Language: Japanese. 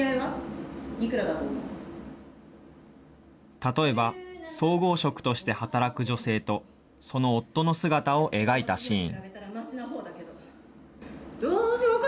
例えば、総合職として働く女性と、その夫の姿を描いたシーン。